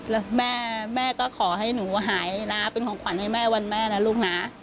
แล้วแม่แม่ก็ขอให้หนูหายนะเป็นของขวัญให้แม่วันแม่นะลูกนะ